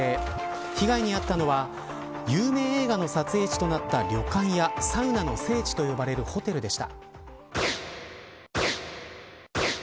被害に遭ったのは有名映画の撮影地となった旅館やサウナの聖地と呼ばれるホテルでした。